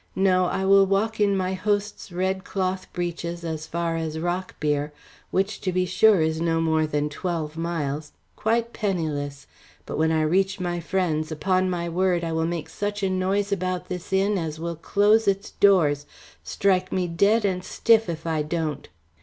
No, I will walk in my host's red cloth breeches as far as Rockbere, which to be sure is no more than twelve miles, quite penniless, but when I reach my friends, upon my word, I will make such a noise about this inn as will close its doors, strike me dead and stiff, if don't."